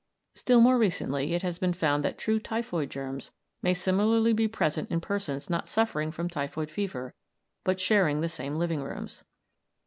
Still more recently it has been found that true typhoid germs may similarly be present in persons not suffering from typhoid fever but sharing the same living rooms.